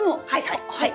はいはい。